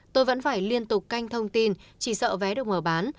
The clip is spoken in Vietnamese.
tôi vẫn phải liên tục canh thông tin chỉ sợ vé được mở bán